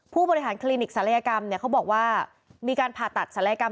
ผู้บริหารคลินิกศัลยกรรมเนี่ยเขาบอกว่ามีการผ่าตัดศัลยกรรม